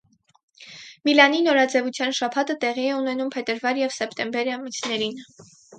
Միլանի նորաձեւության շաբաթը տեղի է ունենում փետրվար և սեպտեմբեր ամիսներին։